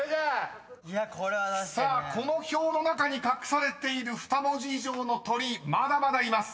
［さあこの表の中に隠されている２文字以上の鳥まだまだいます。